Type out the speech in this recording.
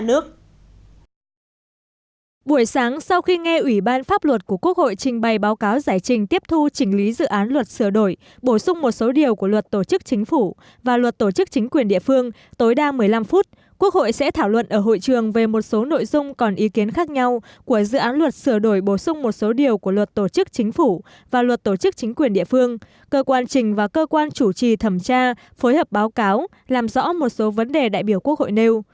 buổi sáng sau khi nghe ủy ban pháp luật của quốc hội trình bày báo cáo giải trình tiếp thu chỉnh lý dự án luật sửa đổi bổ sung một số điều của luật tổ chức chính phủ và luật tổ chức chính quyền địa phương tối đa một mươi năm phút quốc hội sẽ thảo luận ở hội trường về một số nội dung còn ý kiến khác nhau của dự án luật sửa đổi bổ sung một số điều của luật tổ chức chính phủ và luật tổ chức chính quyền địa phương cơ quan trình và cơ quan chủ trì thẩm tra phối hợp báo cáo làm rõ một số vấn đề đại biểu quốc hội nêu